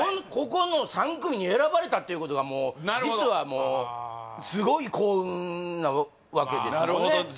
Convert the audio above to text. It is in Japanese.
ここの３組に選ばれたっていうことがもうなるほど実はもうなわけですよね